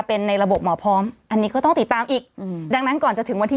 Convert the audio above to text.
เป็นในระบบหมอพร้อมอันนี้ก็ต้องติดตามอีกอืมดังนั้นก่อนจะถึงวันที่